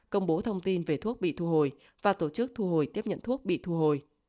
công bố thông tin về thuốc bị thu hồi và tổ chức thu hồi tiếp nhận thuốc bị thu hồi